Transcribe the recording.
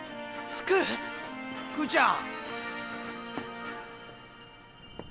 福ちゃん！